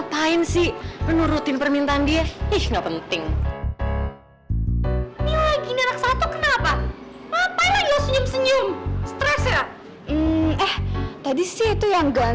jangan lupa like share dan subscribe ya